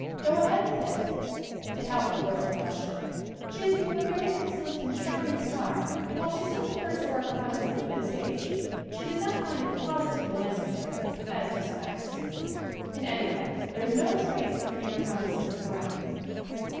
Go ahead with it." It helped the girl in question. She has be come a very excellent and charming star and while she still prefers to work upon a secluded stage she does not find it positively necessary, as do some actresses. In any event there is no trace of camera consciousness in her acting.